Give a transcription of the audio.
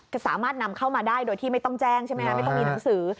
สามารถนำเข้ามาได้โดยที่ไม่ต้องแจ้งใช่ไหมครับไม่ต้องมีหนังสือ